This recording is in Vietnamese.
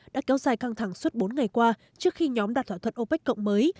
đã kéo dài căng thẳng suốt bốn ngày qua trước khi nhóm đạt thỏa thuận opec cộng mới